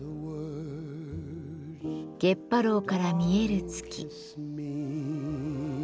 月波楼から見える月。